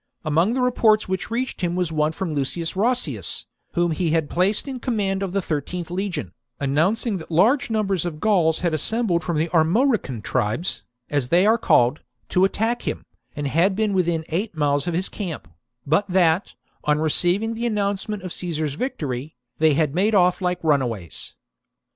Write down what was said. Among the reports which reached him was one from Lucius Roscius, whom he had placed in command of the 13th legion, announcing that large numbers of Gauls had assembled from the Armorican tribes,^ as they are called, to attack him, and had been within eight miles of his camp, but that, on receiving the announcement of Caesar's victory, they had made off like runaways.